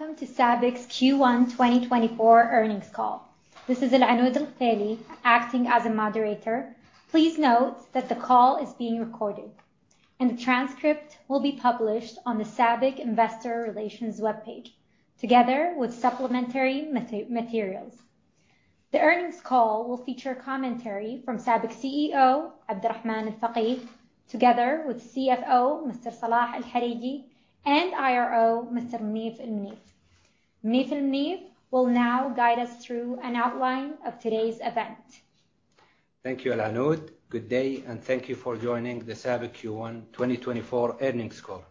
Welcome to SABIC's Q1 2024 earnings call. This is Alanoud Al-Rwaily, acting as a moderator. Please note that the call is being recorded, and the transcript will be published on the SABIC Investor Relations webpage, together with supplementary materials. The earnings call will feature commentary from SABIC CEO Abdulrahman Al-Fageeh, together with CFO Mr. Salah Al-Hareky, and IRO Mr. Munif Al-Munif. Munif Al-Munif will now guide us through an outline of today's event. Thank you, Alanoud. Good day, and thank you for joining the SABIC Q1 2024 earnings call.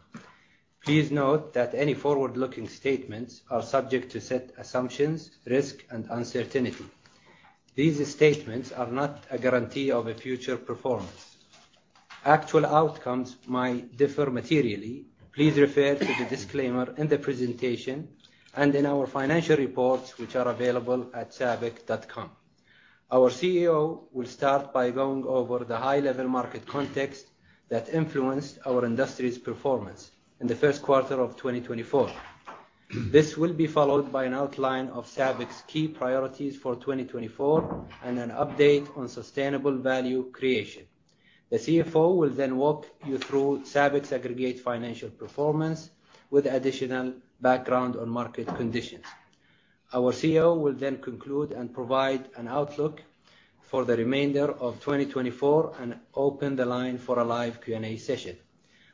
Please note that any forward-looking statements are subject to certain assumptions, risks, and uncertainties. These statements are not a guarantee of future performance. Actual outcomes might differ materially. Please refer to the disclaimer in the presentation and in our financial reports, which are available at sabic.com. Our CEO will start by going over the high-level market context that influenced our industry's performance in the first quarter of 2024. This will be followed by an outline of SABIC's key priorities for 2024 and an update on sustainable value creation. The CFO will then walk you through SABIC's aggregate financial performance with additional background on market conditions. Our CEO will then conclude and provide an outlook for the remainder of 2024 and open the line for a live Q&A session.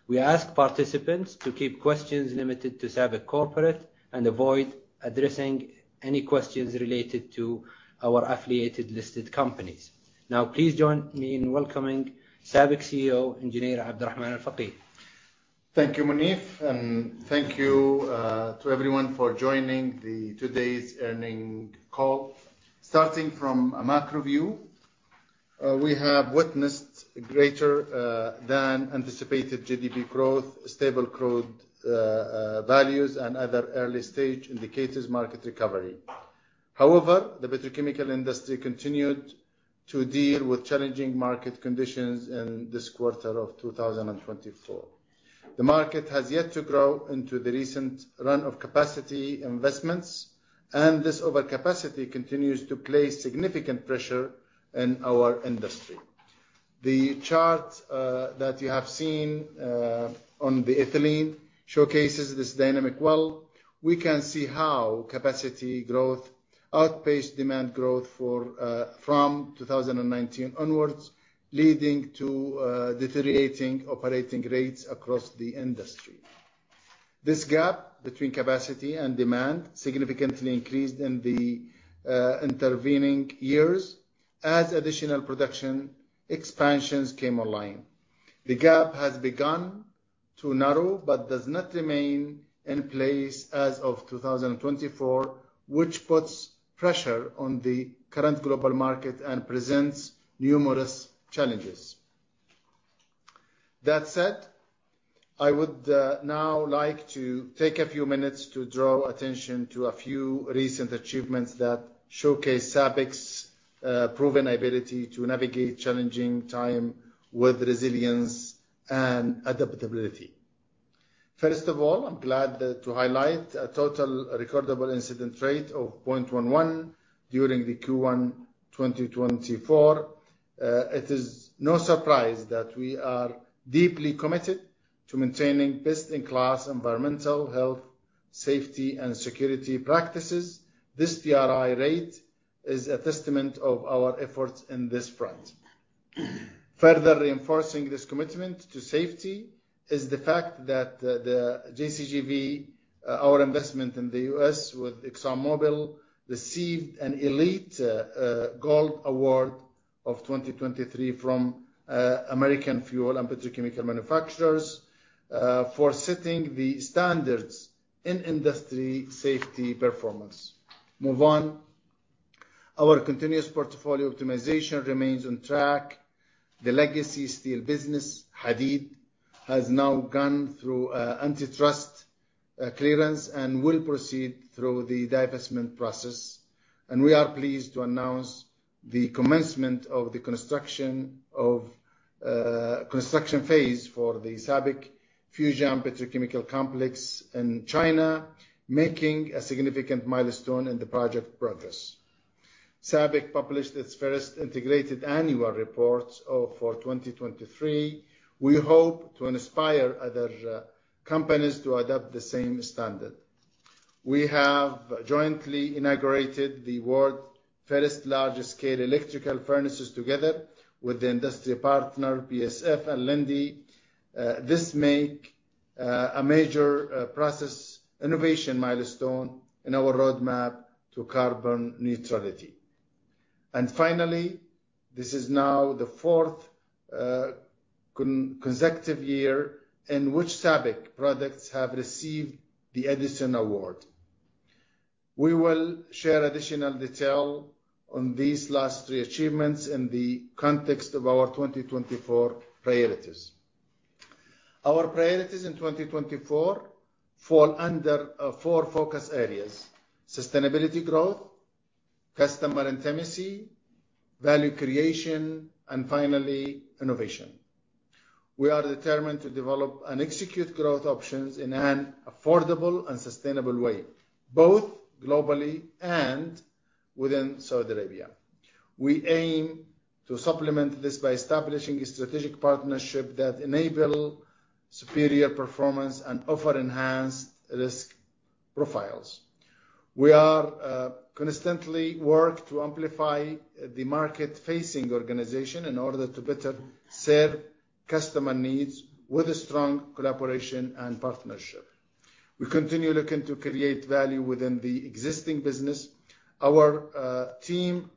We ask participants to keep questions limited to SABIC corporate and avoid addressing any questions related to our affiliated listed companies. Now, please join me in welcoming SABIC CEO, Engineer Abdulrahman Al-Fageeh. Thank you, Munif, and thank you to everyone for joining today's earnings call. Starting from a macro view, we have witnessed greater than anticipated GDP growth, stable crude values, and other early-stage indicators market recovery. However, the petrochemical industry continued to deal with challenging market conditions in this quarter of 2024. The market has yet to grow into the recent run of capacity investments, and this overcapacity continues to place significant pressure in our industry. The chart that you have seen on the ethylene showcases this dynamic well. We can see how capacity growth outpaced demand growth from 2019 onwards, leading to deteriorating operating rates across the industry. This gap between capacity and demand significantly increased in the intervening years as additional production expansions came online. The gap has begun to narrow but does not remain in place as of 2024, which puts pressure on the current global market and presents numerous challenges. That said, I would now like to take a few minutes to draw attention to a few recent achievements that showcase SABIC's proven ability to navigate challenging time with resilience and adaptability. First of all, I'm glad to highlight a total recordable incident rate of 0.11 during the Q1 2024. It is no surprise that we are deeply committed to maintaining best-in-class environmental, health, safety, and security practices. This TRI rate is a testament of our efforts in this front. Further reinforcing this commitment to safety is the fact that the GCGV, our investment in the U.S. with ExxonMobil, received an elite Gold Award of 2023 from American Fuel and Petrochemical Manufacturers for setting the standards in industry safety performance. Move on. Our continuous portfolio optimization remains on track. The legacy steel business, Hadeed, has now gone through antitrust clearance and will proceed through the divestment process, and we are pleased to announce the commencement of the construction phase for the SABIC Fujian Petrochemical Complex in China, making a significant milestone in the project progress. SABIC published its first integrated annual reports for 2023. We hope to inspire other companies to adopt the same standard. We have jointly inaugurated the world's first largest scale electrical furnaces together with the industry partner, BASF and Linde. This makes a major process innovation milestone in our roadmap to carbon neutrality. Finally, this is now the fourth consecutive year in which SABIC products have received the Edison Award. We will share additional detail on these last three achievements in the context of our 2024 priorities. Our priorities in 2024 fall under 4 focus areas: sustainability growth, customer intimacy, value creation, and finally, innovation. We are determined to develop and execute growth options in an affordable and sustainable way, both globally and within Saudi Arabia. We aim to supplement this by establishing a strategic partnership that enable superior performance and offer enhanced risk profiles. We are constantly work to amplify the market-facing organization in order to better serve customer needs with a strong collaboration and partnership. We continue looking to create value within the existing business. Our team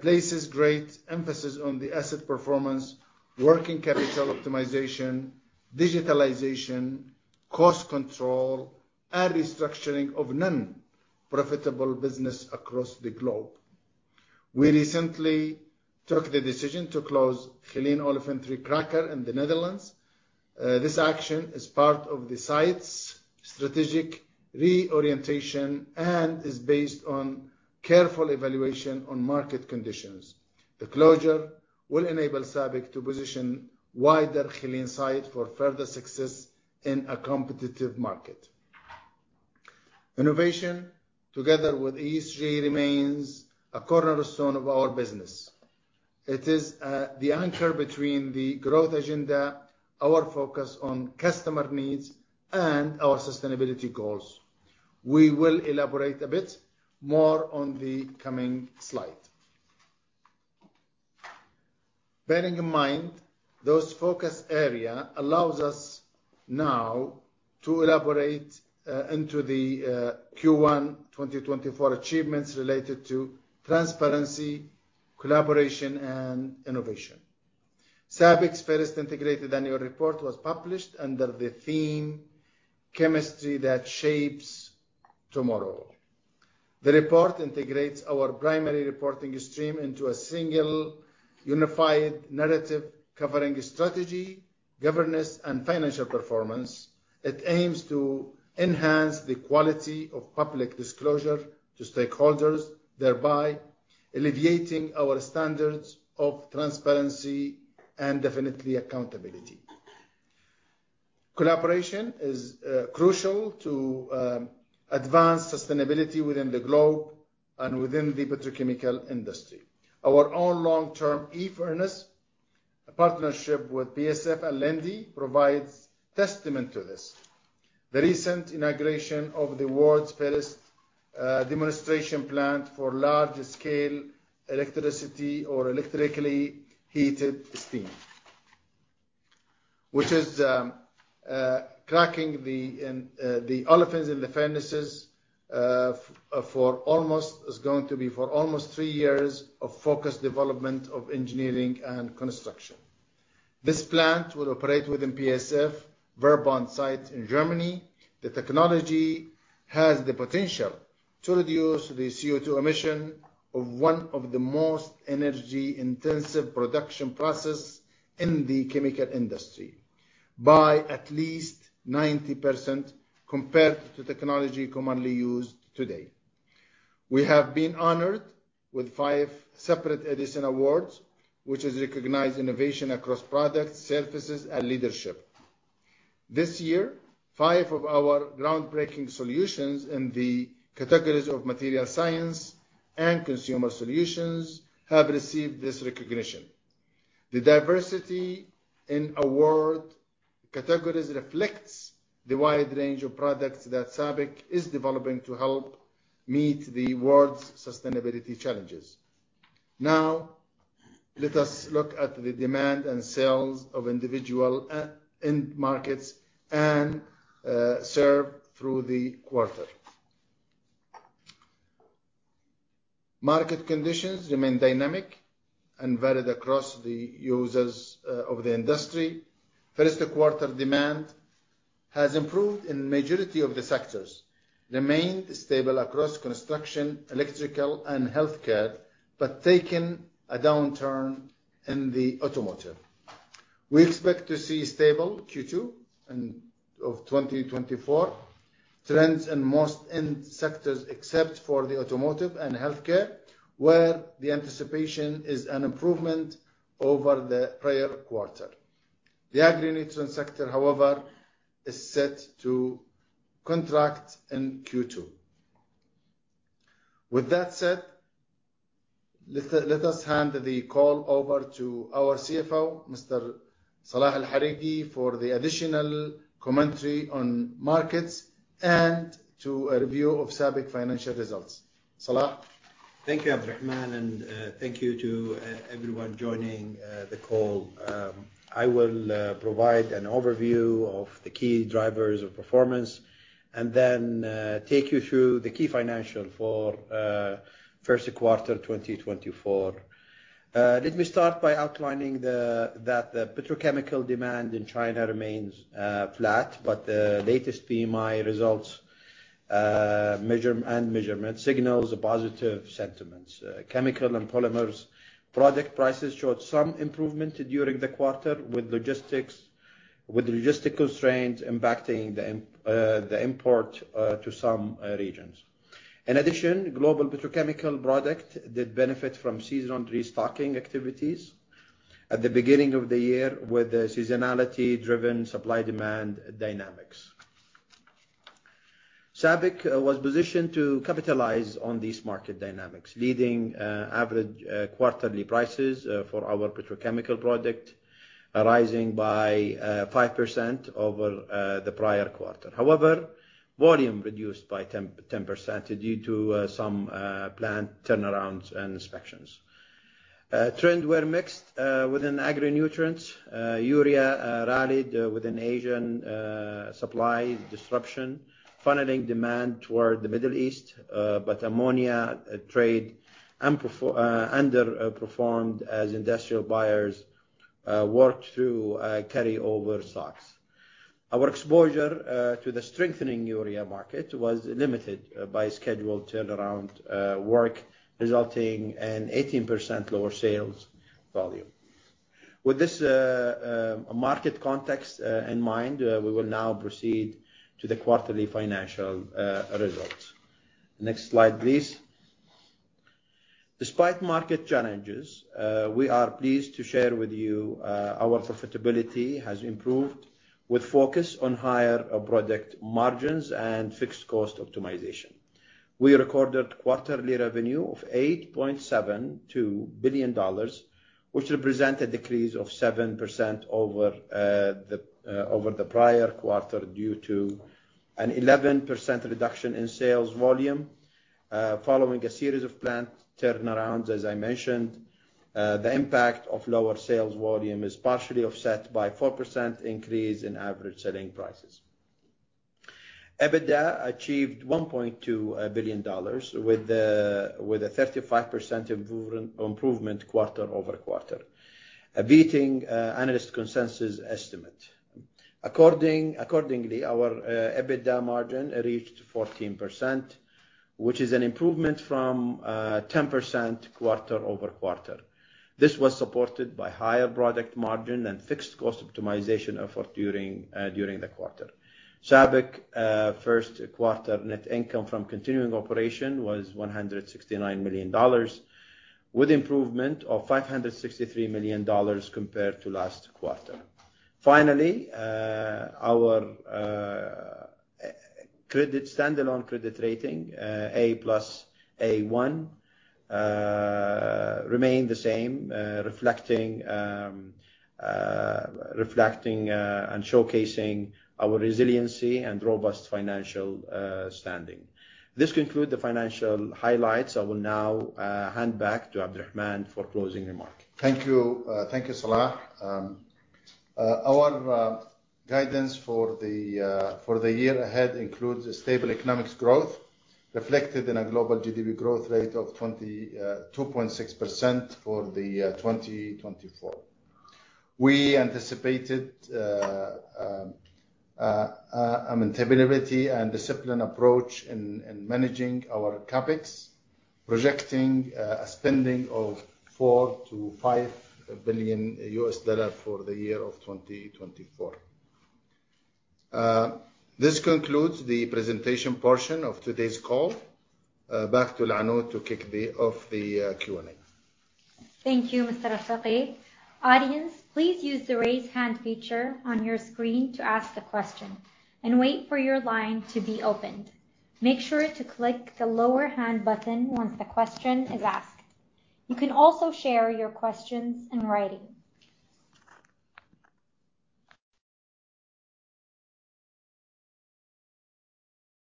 places great emphasis on the asset performance, working capital optimization, digitalization, cost control, and restructuring of non-profitable business across the globe. We recently took the decision to close Geleen Olefins 3 cracker in the Netherlands. This action is part of the site's strategic reorientation and is based on careful evaluation on market conditions. The closure will enable SABIC to position wider Geleen site for further success in a competitive market. Innovation, together with ESG, remains a cornerstone of our business. It is the anchor between the growth agenda, our focus on customer needs, and our sustainability goals. We will elaborate a bit more on the coming slide. Bearing in mind, those focus area allows us now to elaborate into the Q1 2024 achievements related to transparency, collaboration, and innovation. SABIC's first integrated annual report was published under the theme, Chemistry that Shapes Tomorrow. The report integrates our primary reporting stream into a single unified narrative covering strategy, governance, and financial performance. It aims to enhance the quality of public disclosure to stakeholders, thereby elevating our standards of transparency and accountability. Collaboration is crucial to advance sustainability within the globe and within the petrochemical industry. Our own long-term e-furnace partnership with BASF and Linde provides testament to this. The recent inauguration of the world's first demonstration plant for large-scale electrically heated steam, which is cracking the olefins in the furnaces, is going to be for almost three years of focused development of engineering and construction. This plant will operate within BASF Verbund site in Germany. The technology has the potential to reduce the CO₂ emission of one of the most energy-intensive production process in the chemical industry by at least 90% compared to technology commonly used today. We have been honored with five separate Edison Awards, which has recognized innovation across products, services, and leadership. This year, five of our groundbreaking solutions in the categories of material science and consumer solutions have received this recognition. The diversity in award categories reflects the wide range of products that SABIC is developing to help meet the world's sustainability challenges. Now, let us look at the demand and sales of individual end markets and served through the quarter. Market conditions remain dynamic and varied across the users of the industry. First quarter demand has improved in majority of the sectors, remained stable across construction, electrical, and healthcare, but taken a downturn in the automotive. We expect to see stable Q2 and of 2024 trends in most end sectors, except for the automotive and healthcare, where the anticipation is an improvement over the prior quarter. The agri-nutrient sector, however, is set to contract in Q2. With that said, let us hand the call over to our CFO, Mr. Salah Al-Hareky, for the additional commentary on markets and to a review of SABIC financial results. Salah? Thank you, Abdulrahman, and thank you to everyone joining the call. I will provide an overview of the key drivers of performance and then take you through the key financial for first quarter 2024. Let me start by outlining that the petrochemical demand in China remains flat, but the latest PMI results measure and measurement signals a positive sentiments. Chemical and polymers product prices showed some improvement during the quarter, with the logistical constraints impacting the import to some regions. In addition, global petrochemical product did benefit from seasonal restocking activities at the beginning of the year, with the seasonality-driven supply-demand dynamics. SABIC was positioned to capitalize on these market dynamics, leading average quarterly prices for our petrochemical product, rising by 5% over the prior quarter. However, volume reduced by 10% due to some plant turnarounds and inspections. Trends were mixed within the agri-nutrients. Urea rallied within Asian supply disruption, funneling demand toward the Middle East, but ammonia trade underperformed as industrial buyers worked through carryover stocks. Our exposure to the strengthening urea market was limited by scheduled turnaround work, resulting in 18% lower sales volume. With this market context in mind, we will now proceed to the quarterly financial results. Next slide, please. Despite market challenges, we are pleased to share with you, our profitability has improved with focus on higher product margins and fixed cost optimization. We recorded quarterly revenue of $8.72 billion, which represent a decrease of 7% over the prior quarter, due to an 11% reduction in sales volume. Following a series of plant turnarounds, as I mentioned, the impact of lower sales volume is partially offset by 4% increase in average selling prices. EBITDA achieved $1.2 billion, with a 35% improvement quarter-over-quarter, beating analyst consensus estimate. Accordingly, our EBITDA margin reached 14%, which is an improvement from 10% quarter-over-quarter. This was supported by higher product margin and fixed cost optimization effort during the quarter. SABIC first quarter net income from continuing operation was $169 million, with improvement of $563 million compared to last quarter. Finally, our standalone credit rating A+, A1 remained the same, reflecting and showcasing our resiliency and robust financial standing. This conclude the financial highlights. I will now hand back to Abdulrahman for closing remarks. Thank you. Thank you, Salah. Our guidance for the year ahead includes a stable economic growth, reflected in a global GDP growth rate of 2.6% for 2024. We anticipated a maintainability and discipline approach in managing our CapEx, projecting a spending of $4 billion-$5 billion for the year of 2024. This concludes the presentation portion of today's call. Back to Alanoud to kick off the Q&A. Thank you, Mr. Al-Fageeh. Audience, please use the Raise Hand feature on your screen to ask the question, and wait for your line to be opened. Make sure to click the Lower Hand button once the question is asked. You can also share your questions in writing.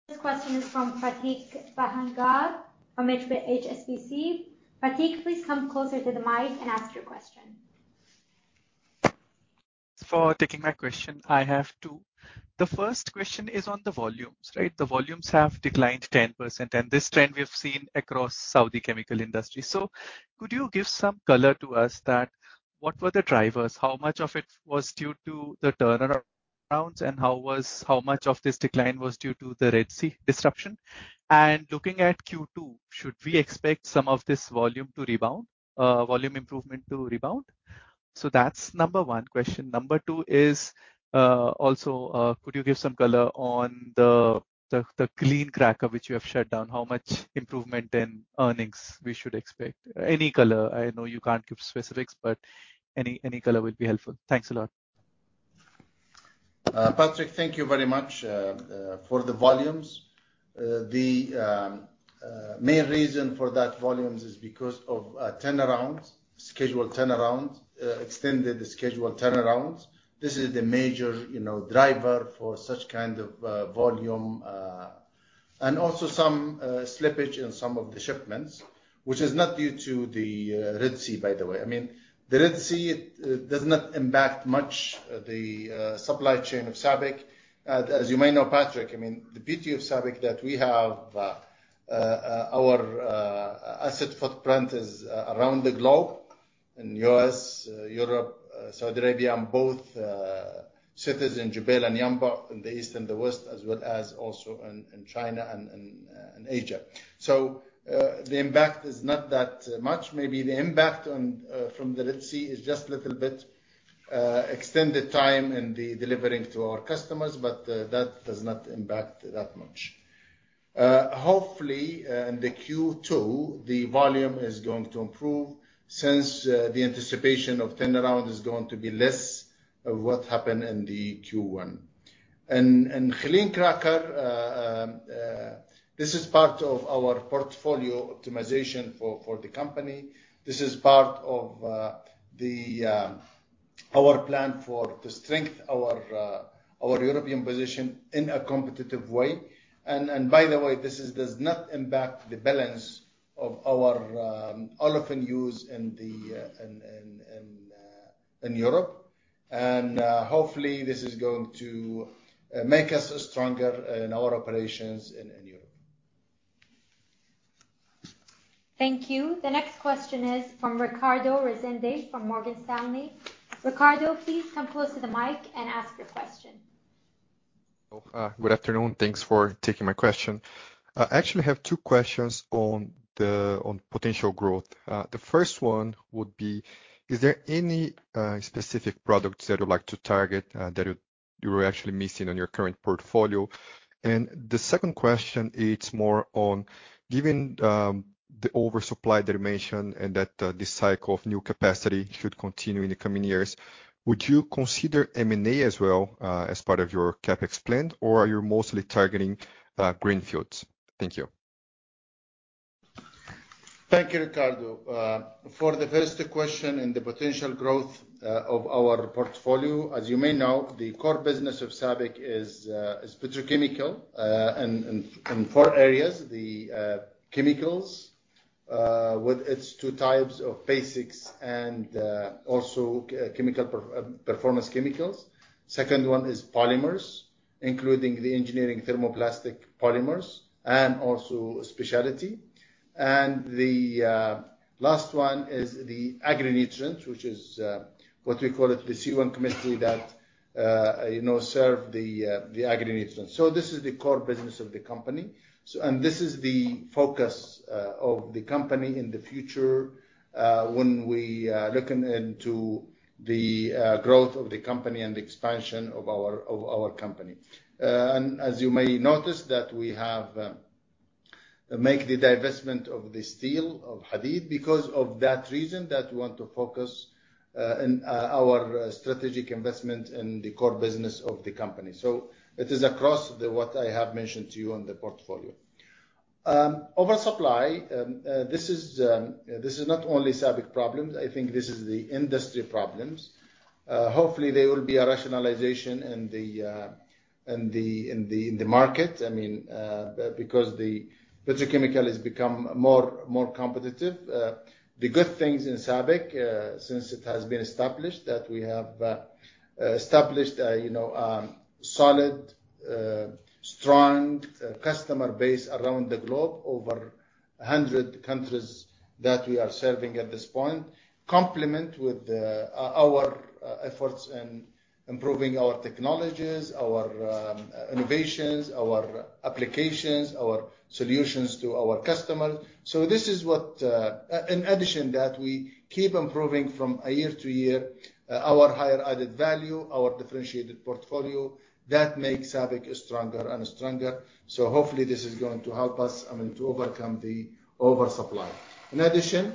This question is from Patrick Boumalham, from HSBC. Patrick, please come closer to the mic and ask your question. For taking my question. I have two. The first question is on the volumes, right? The volumes have declined 10%, and this trend we have seen across Saudi chemical industry. So could you give some color to us that, what were the drivers? How much of it was due to the turnarounds, and how much of this decline was due to the Red Sea disruption? And looking at Q2, should we expect some of this volume to rebound, volume improvement to rebound? So that's number one question. Number two is, also, could you give some color on the clean cracker, which you have shut down? How much improvement in earnings we should expect? Any color. I know you can't give specifics, but any color will be helpful. Thanks a lot. Patrick, thank you very much. For the volumes, the main reason for that volumes is because of turnarounds, scheduled turnarounds, extended scheduled turnarounds. This is the major, you know, driver for such kind of volume, and also some slippage in some of the shipments, which is not due to the Red Sea, by the way. I mean, the Red Sea does not impact much the supply chain of SABIC. As you may know, Patrick, I mean, the beauty of SABIC, that we have our asset footprint is around the globe, in U.S., Europe, Saudi Arabia, and both cities in Jubail and Yanbu, in the east and the west, as well as also in China and Asia. So, the impact is not that much. Maybe the impact on from the Red Sea is just a little bit, extended time in the delivering to our customers, but, that does not impact that much. Hopefully, in the Q2, the volume is going to improve since, the anticipation of turnaround is going to be less of what happened in the Q1. And, Geleen cracker, this is part of our portfolio optimization for, the company. This is part of, the, our plan for to strength our, our European position in a competitive way. And, by the way, this is- does not impact the balance of our, olefin use in the, in Europe. Hopefully this is going to make us stronger in our operations in Europe. Thank you. The next question is from Ricardo Rezende, from Morgan Stanley. Ricardo, please come close to the mic and ask your question. Good afternoon. Thanks for taking my question. I actually have two questions on the, on potential growth. The first one would be: Is there any specific products that you'd like to target, that you, you are actually missing on your current portfolio? And the second question, it's more on giving, the oversupply that you mentioned, and that, this cycle of new capacity should continue in the coming years. Would you consider M&A as well, as part of your CapEx plan, or are you mostly targeting, greenfields? Thank you. Thank you, Ricardo. For the first question in the potential growth of our portfolio, as you may know, the core business of SABIC is petrochemical and in four areas: the chemicals with its two types of basics and also performance chemicals. Second one is polymers, including the engineering thermoplastic polymers and also specialty. And the last one is the agri-nutrient, which is what we call it, the C1 chemistry that you know serve the agri-nutrient. So this is the core business of the company. And this is the focus of the company in the future when we looking into the growth of the company and the expansion of our of our company. And as you may notice, that we have make the divestment of the steel of Hadeed because of that reason, that we want to focus in our strategic investment in the core business of the company. So it is across the, what I have mentioned to you on the portfolio. Oversupply, this is not only SABIC problems. I think this is the industry problems. Hopefully there will be a rationalization in the in the in the market, I mean, because the petrochemical has become more, more competitive. The good things in SABIC, since it has been established, that we have established a, you know, solid, strong, customer base around the globe, over 100 countries that we are serving at this point, complement with the our efforts in improving our technologies, our innovations, our applications, our solutions to our customers. So this is what, in addition, that we keep improving from a year to year, our higher added value, our differentiated portfolio, that makes SABIC stronger and stronger. So hopefully this is going to help us, I mean, to overcome the oversupply. In addition,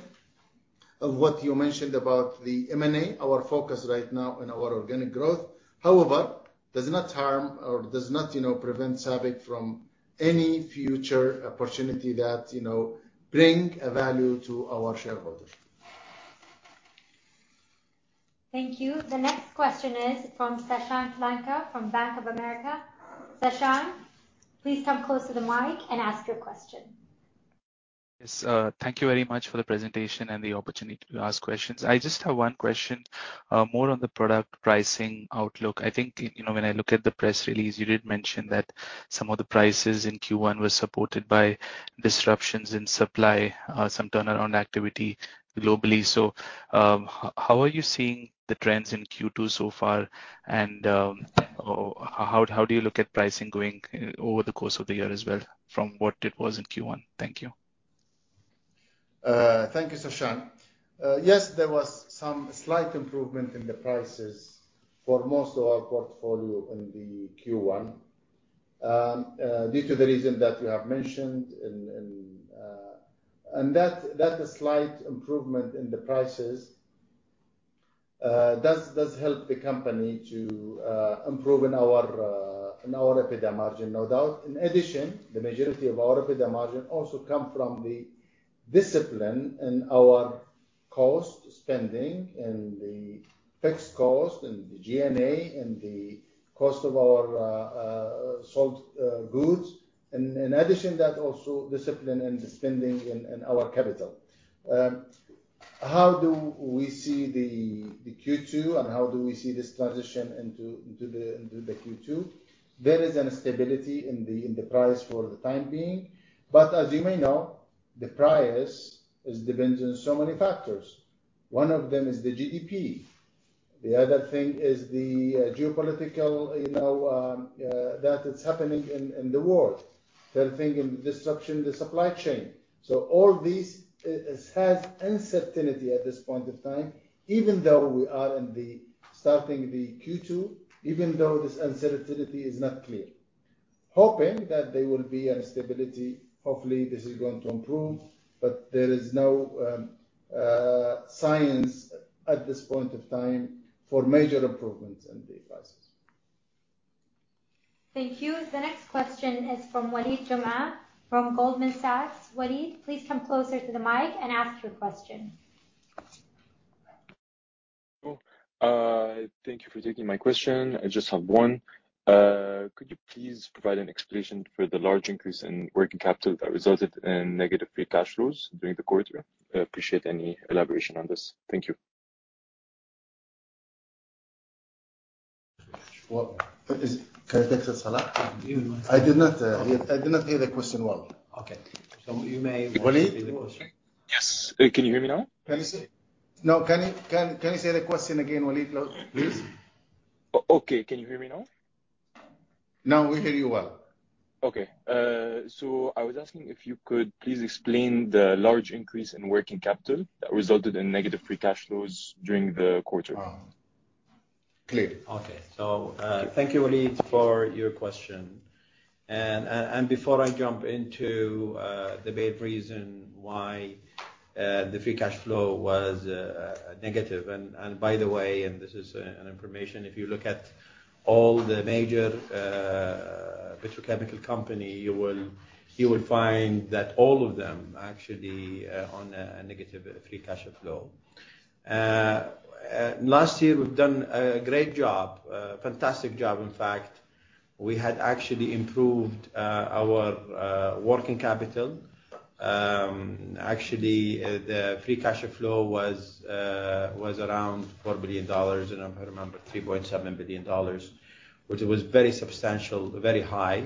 of what you mentioned about the M&A, our focus right now on our organic growth, however, does not harm or does not, you know, prevent SABIC from any future opportunity that, you know, bring a value to our shareholders. Thank you. The next question is from Sashank Lanka, from Bank of America. Sashank, please come close to the mic and ask your question. Yes. Thank you very much for the presentation and the opportunity to ask questions. I just have one question, more on the product pricing outlook. I think, you know, when I look at the press release, you did mention that some of the prices in Q1 were supported by disruptions in supply, some turnaround activity globally. So, how are you seeing the trends in Q2 so far? And, how do you look at pricing going, over the course of the year as well, from what it was in Q1? Thank you. Thank you, Sashank. Yes, there was some slight improvement in the prices for most of our portfolio in the Q1 due to the reason that you have mentioned in. And that slight improvement in the prices does help the company to improve in our EBITDA margin, no doubt. In addition, the majority of our EBITDA margin also come from the discipline in our cost spending and the fixed cost and the G&A and the cost of our sold goods. And in addition, that also discipline and the spending in our capital. How do we see the Q2, and how do we see this transition into the Q2? There is a stability in the price for the time being, but as you may know, the price depends on so many factors. One of them is the GDP. The other thing is the geopolitical, you know, that is happening in the world. Third thing, the disruption in the supply chain. So all these has uncertainty at this point of time, even though we are starting the Q2, even though this uncertainty is not clear. Hoping that there will be a stability, hopefully this is going to improve, but there is no science at this point of time for major improvements in the prices. Thank you. The next question is from Waleed Jamal from Goldman Sachs. Walid, please come closer to the mic and ask your question. Thank you for taking my question. I just have one. Could you please provide an explanation for the large increase in working capital that resulted in negative free cash flows during the quarter? I appreciate any elaboration on this. Thank you. Well, can I take this, Salah? I did not hear the question well. Okay. So you may read the question. Waleed? Yes. Can you hear me now? Can you say... No, can you say the question again, Waleed, please? Okay. Can you hear me now? Now we hear you well. Okay. So I was asking if you could please explain the large increase in working capital that resulted in negative free cash flows during the quarter? Ah. Clear. Okay. So, thank you, Waleed, for your question. And, before I jump into the main reason why the free cash flow was negative, and by the way, and this is an information, if you look at all the major petrochemical company, you will find that all of them actually on a negative free cash flow. Last year, we've done a great job, fantastic job, in fact, we had actually improved our working capital. Actually, the free cash flow was around $4 billion, and if I remember, $3.7 billion, which was very substantial, very high.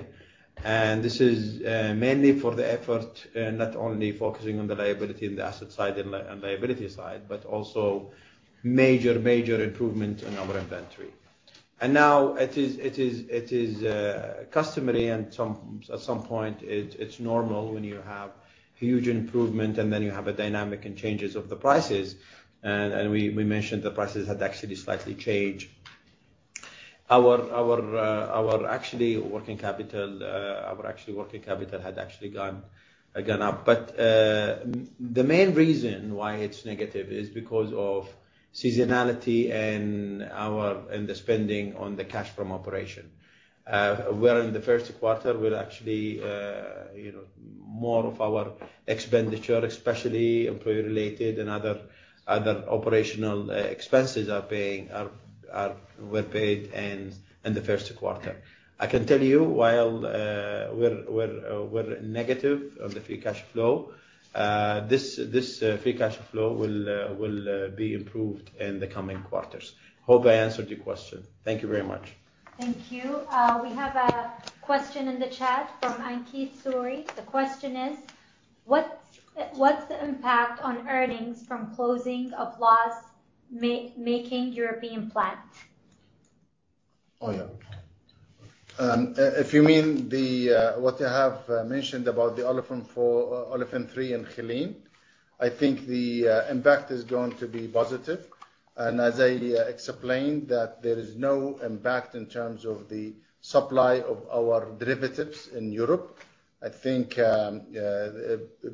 This is mainly for the effort not only focusing on the liability and the asset side and liability side, but also major improvement in our inventory. Now it is customary and at some point, it's normal when you have huge improvement and then you have a dynamic and changes of the prices. And we mentioned the prices had actually slightly changed. Our actually working capital had actually gone up. But the main reason why it's negative is because of seasonality and our spending on the cash from operation. Where in the first quarter, we're actually, you know, more of our expenditure, especially employee-related and other operational expenses were paid in the first quarter. I can tell you, while we're negative on the free cash flow, this free cash flow will be improved in the coming quarters. Hope I answered your question. Thank you very much. Thank you. We have a question in the chat from Ankit Suri. The question is: what's the impact on earnings from closing of loss-making European plant? Oh, yeah. If you mean what I have mentioned about the Olefins 4, Olefins 3 in Geleen, I think the impact is going to be positive. As I explained, that there is no impact in terms of the supply of our derivatives in Europe. I think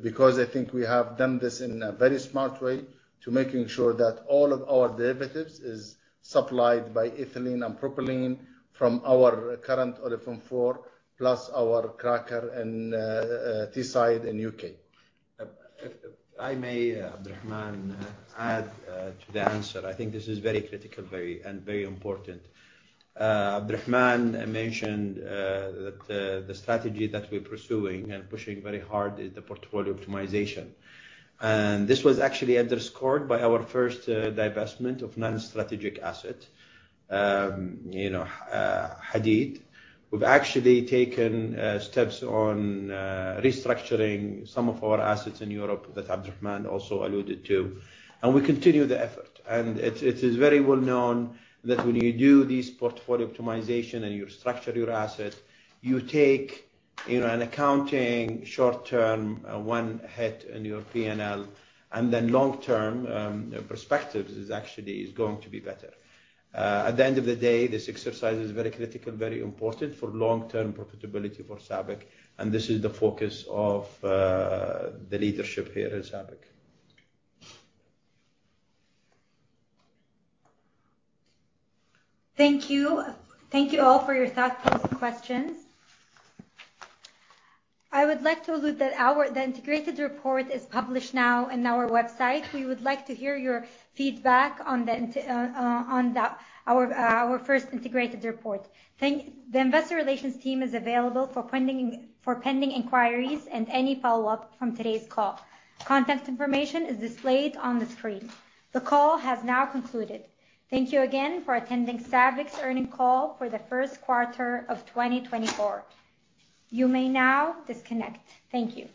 because I think we have done this in a very smart way to making sure that all of our derivatives is supplied by ethylene and propylene from our current Olefins 4, plus our cracker in Teesside in the U.K. If I may, Abdulrahman, add to the answer. I think this is very critical, very, and very important. Abdulrahman mentioned that the strategy that we're pursuing and pushing very hard is the portfolio optimization. And this was actually underscored by our first divestment of non-strategic asset. You know, Hadeed. We've actually taken steps on restructuring some of our assets in Europe, that Abdulrahman also alluded to, and we continue the effort. And it is very well known that when you do this portfolio optimization and you structure your asset, you take, you know, an accounting short-term one hit in your PNL, and then long-term perspective is actually going to be better. At the end of the day, this exercise is very critical, very important for long-term profitability for SABIC, and this is the focus of the leadership here at SABIC. Thank you. Thank you all for your thoughtful questions. I would like to allude that our integrated report is published now in our website. We would like to hear your feedback on our first integrated report. The investor relations team is available for pending inquiries and any follow-up from today's call. Contact information is displayed on the screen. The call has now concluded. Thank you again for attending SABIC's earnings call for the first quarter of 2024. You may now disconnect. Thank you.